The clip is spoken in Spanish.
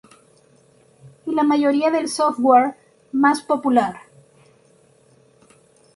Y la mayoría del software mas popular.